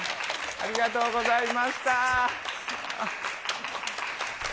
ありがとうございます。